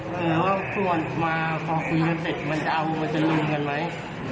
หรือว่าควรมาพอคุยกันเสร็จมันจะเอามาจะรุมกันไหม